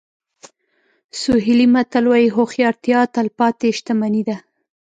سوهیلي متل وایي هوښیارتیا تلپاتې شتمني ده.